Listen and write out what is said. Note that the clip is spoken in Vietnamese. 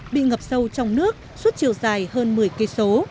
bị ngập sâu trong nước suốt chiều dài hơn một mươi km